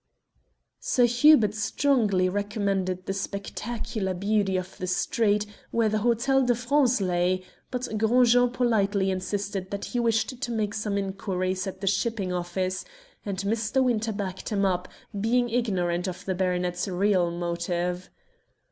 Sir Hubert strongly recommended the spectacular beauty of the street where the Hotel de France lay, but Gros Jean politely insisted that he wished to make some inquiries at the shipping office, and Mr. Winter backed him up, being ignorant of the baronet's real motive.